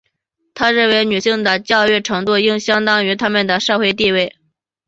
她认为女性的教育程度应当相称于她们的社会地位。